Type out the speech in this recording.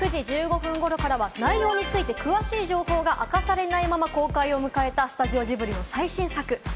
９時１５分頃からは内容について詳しい情報が明かされないまま公開を迎えたスタジオジブリ最新作。